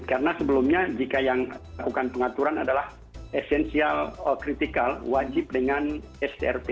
karena sebelumnya jika yang melakukan pengaturan adalah esensial kritikal wajib dengan strp